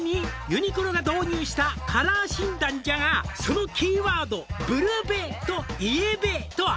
「ユニクロが導入したカラー診断じゃが」「そのキーワードブルベとイエベとは」